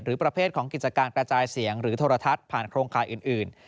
ประเภทของกิจการกระจายเสียงหรือโทรทัศน์ผ่านโครงข่ายอื่น